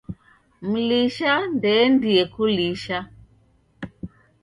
Mlisha ndeendie kulisha.